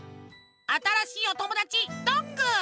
あたらしいおともだちどんぐー。